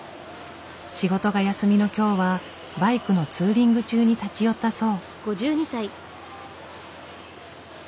仕事が休みの今日はバイクのツーリング中に立ち寄ったそう。